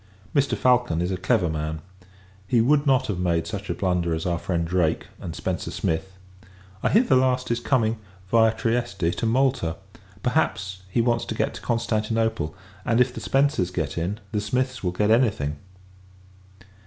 Mr. Falcon is a clever man. He would not have made such a blunder as our friend Drake, and Spencer Smith. I hear, the last is coming, viâ Trieste, to Malta. Perhaps, he wants to get to Constantinople; and, if the Spencers get in, the Smiths will get any thing.